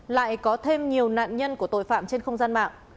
lại có thêm nhiều nạn nhân của tội phạm trên không gian mạng